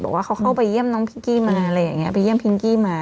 บอกว่าเขาเข้าไปเยี่ยมน้องพิงกี้มา